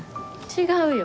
違うよ。